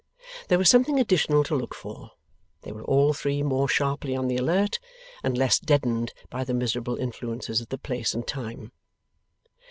There was something additional to look for. They were all three more sharply on the alert, and less deadened by the miserable influences of the place and time.